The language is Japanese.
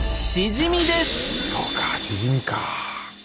そうかシジミか。